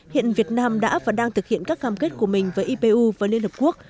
hiện việt nam đã và đang thực hiện các cam kết của mình với ipu và liên hợp quốc